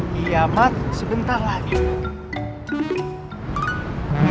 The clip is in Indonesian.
diamat sebentar lagi